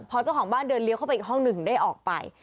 พอเจ้าของบ้านเดินเลี้ยวเข้าไปอีกห้องหนึ่งได้ออกไป